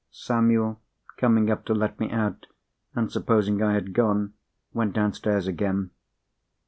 Samuel, coming up to let me out, and supposing I had gone, went downstairs again.